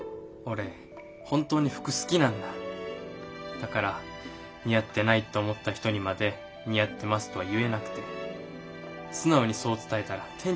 だから似合ってないって思った人にまで似合ってますとは言えなくて素直にそう伝えたら店長に怒られてさ。